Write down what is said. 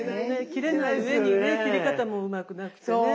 切れないうえにね切り方もうまくなくてね。